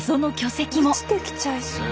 落ちてきちゃいそう。